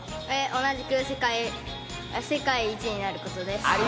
同じく世界一になることです。